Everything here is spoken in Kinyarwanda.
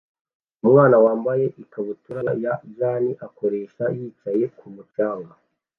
Umwana wambaye ikabutura ya jean akoresha yicaye kumu canga